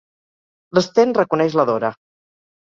L'Sten reconeix la Dora.